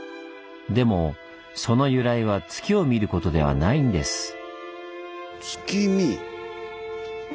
でもその由来は月を見ることではないんです。